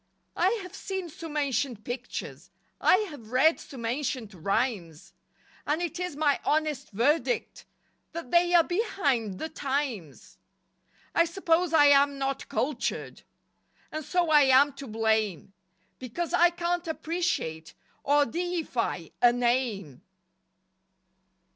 I have seen .some ancient pictures, I have read some ancient rhymes, And it is my honest verdict That they are "behind the times." I suppose I am not cultured, And so I am to blame Because I can't appreciate Or deify a "name."